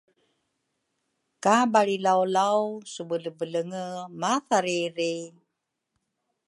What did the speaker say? Ka balrilaulaw subelebelenge mathariri?